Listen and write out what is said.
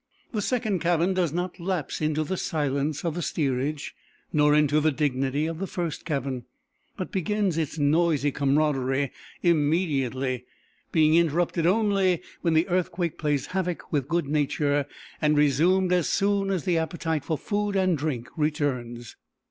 The second cabin does not lapse into the silence of the steerage nor into the dignity of the first cabin, but begins its noisy comradery immediately; being interrupted only, when the earthquake plays havoc with good nature, and resumed as soon as the appetite for food and drink returns.